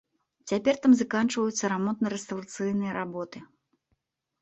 Цяпер там заканчваюцца рамонтна-рэстаўрацыйныя работы.